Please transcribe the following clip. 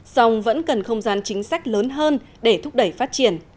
song vẫn cần không gian chính sách lớn hơn để thúc đẩy phát triển